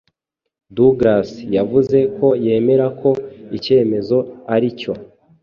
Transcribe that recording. Douglas yavuze ko yemera ko icyemezo ari cyo.